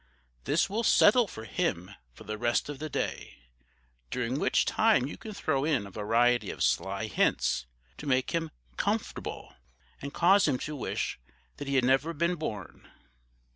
This will SETTLE him for the rest of the day, during which time you can throw in a variety of sly HINTS, to make him COMFORTABLE, and cause him to wish that he had never been born.